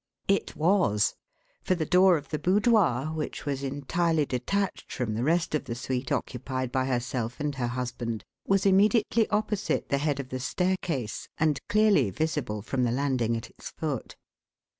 It was; for the door of the boudoir, which was entirely detached from the rest of the suite occupied by herself and her husband, was immediately opposite the head of the staircase and clearly visible from the landing at its foot.